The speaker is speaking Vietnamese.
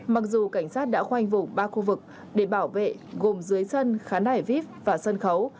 mặc dù cảnh sát đã khoanh vùng ba khu vực để bảo vệ gồm dưới sân khán hải vip và sân khấu